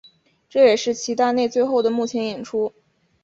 这也是齐达内最后的幕前演出。